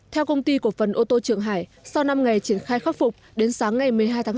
theo công ty cổ phần ô tô trường hải sau năm ngày triển khai khắc phục đến sáng ngày một mươi hai tháng năm